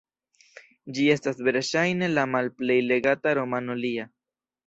Ĝi estas verŝajne la malplej legata romano lia.